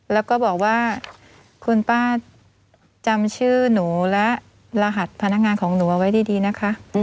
แล้วก็บอกว่าคุณป้าจำชื่อหนูและรหัสพนักงานของหนูเอาไว้ดีนะคะ